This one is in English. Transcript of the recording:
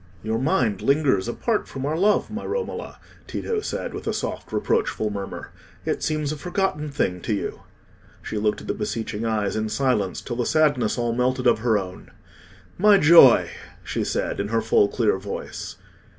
"Your mind lingers apart from our love, my Romola," Tito said, with a soft reproachful murmur. "It seems a forgotten thing to you." She looked at the beseeching eyes in silence, till the sadness all melted out of her own. "My joy!" she said, in her full clear voice.